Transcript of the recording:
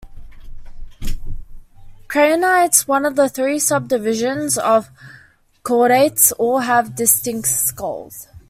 Craniates, one of the three subdivisions of chordates, all have distinct skulls.